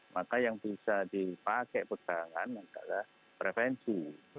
maka yang bisa dipakai pegangan adalah prevensi